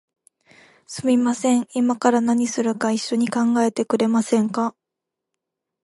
すみません、いまから何するか一緒に考えてくれませんか？